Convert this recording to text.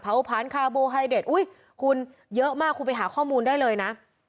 ผ่านคาร์โบไฮเด็ดอุ้ยคุณเยอะมากคุณไปหาข้อมูลได้เลยนะ